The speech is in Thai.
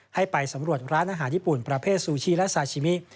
ให้ไปสำรวจร้านอาหารญี่ปุ่นประเภทซูชิและซาชิมิ